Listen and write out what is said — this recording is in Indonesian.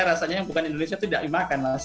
rasanya yang bukan indonesia tidak dimakan mas